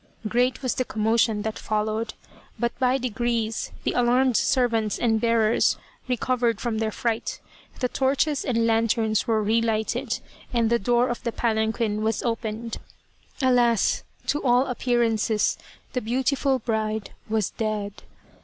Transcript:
Great was the commotion that followed, but by degrees the alarmed servants and bearers recovered from their fright, the torches and lanterns were re lighted, and the door of the palanquin was opened. Alas ! to all appearances the beautiful bride was dead.